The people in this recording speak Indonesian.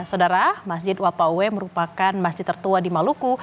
saudara masjid wapawe merupakan masjid tertua di maluku